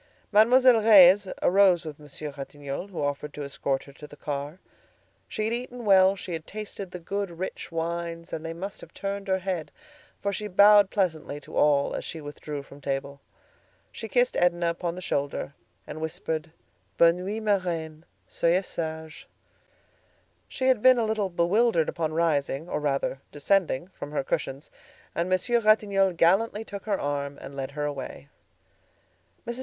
Mademoiselle Reisz arose with Monsieur Ratignolle, who offered to escort her to the car. She had eaten well; she had tasted the good, rich wines, and they must have turned her head, for she bowed pleasantly to all as she withdrew from table. She kissed Edna upon the shoulder, and whispered: "Bonne nuit, ma reine; soyez sage." She had been a little bewildered upon rising, or rather, descending from her cushions, and Monsieur Ratignolle gallantly took her arm and led her away. Mrs.